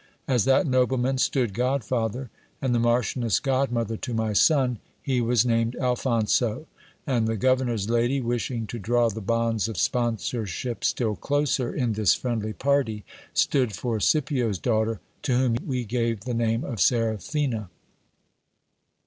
As that nobleman stood godfather, and the Marchioness godmother to my son, he was named Alphonso ; and the governor's lady, wishing to draw the bonds of sponsorship still closer in this friendly party, stood for Scipio's daughter, to whom we gave the name of Seraphina.